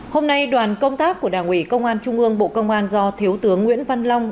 hôm nay đoàn công tác của đảng ủy công an trung ương bộ công an do thiếu tướng nguyễn văn long